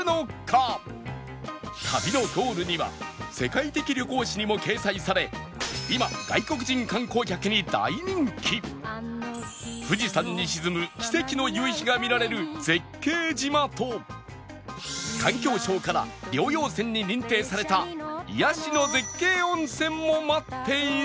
旅のゴールには世界的旅行誌にも掲載され今富士山に沈む奇跡の夕日が見られる絶景島と環境省から療養泉に認定された癒やしの絶景温泉も待っている